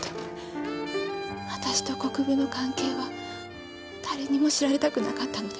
私と国分の関係は誰にも知られたくなかったので。